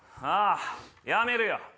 ああやめるよ。